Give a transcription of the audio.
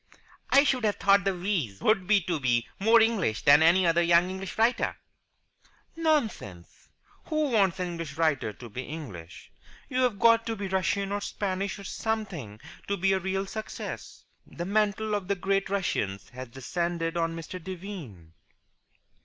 "I should have thought the wheeze would be to be more English than any other young English writer." "Nonsense! Who wants an English writer to be English? You've got to be Russian or Spanish or something to be a real success. The mantle of the great Russians has descended on Mr. Devine."